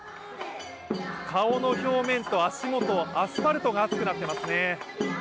顔の表面と足元、アスファルトが熱くなっていますね。